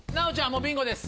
もうビンゴです。